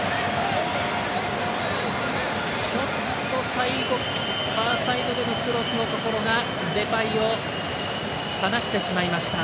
ちょっと最後、ファーサイドでのクロスのところがデパイを離してしまいました。